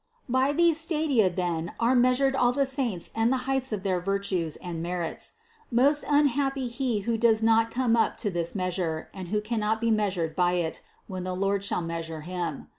By these stadia then are measured all the saints and the heights of their virtues and merits. Most unhappy he who does not come up to this measure and who cannot be measured by it when the Lord shall measure him.